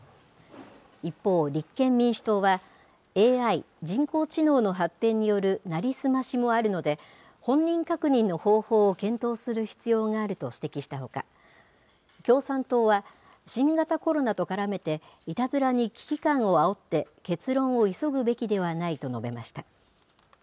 一方、立憲民主党は、ＡＩ・人工知能の発展による成り済ましもあるので、本人確認の方法を検討する必要があると指摘したほか、共産党は、新型コロナと絡めて、いたずらに危機感をあおって結論を急ぐべきではないと述べました。